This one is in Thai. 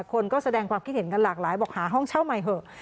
คนก็แสดงความคิดเห็นกันหลากหลายบอกหาห้องเช่าใหม่เถอะ